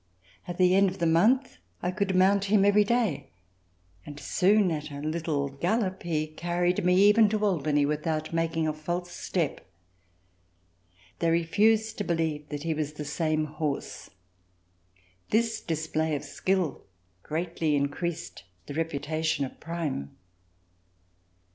At the end of the month I could mount him every day, and soon at a little gallop he carried me even to Albany without making a false step. They refused to believe that he was the same horse. This display of skill greatly increased the reputation of Prime.